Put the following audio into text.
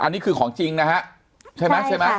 อันนี้คือของจริงนะฮะใช่ไหมใช่ไหม